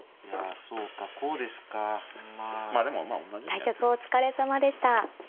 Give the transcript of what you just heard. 対局お疲れさまでした。